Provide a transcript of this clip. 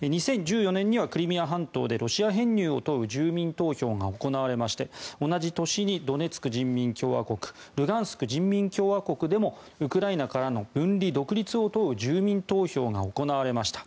２０１４年にはクリミア半島でロシア編入を問う住民投票が行われまして同じ年にドネツク人民共和国ルガンスク人民共和国でもウクライナからの分離独立を問う住民投票が行われました。